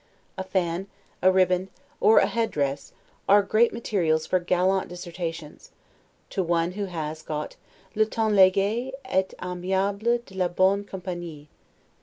A fan, a riband, or a head dress, are great materials for gallant dissertations, to one who has got 'le ton leger et aimable de la bonne compagnie'.